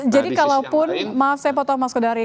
jadi kalau pun maaf saya potong mas kodari